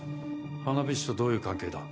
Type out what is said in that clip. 花火師とどういう関係だ？